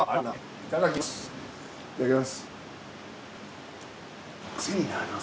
いただきます。